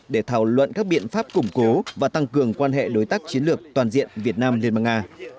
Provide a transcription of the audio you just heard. để thảo luận các biện pháp củng cố và tăng cường quan hệ đối tác chiến lược toàn diện việt nam liên bang nga